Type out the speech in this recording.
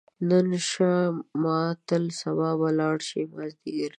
نن شه ماتل سبا به لاړ شې، مازدیګر ده